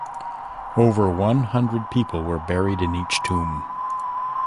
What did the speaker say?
Over one hundred people were buried in each tomb.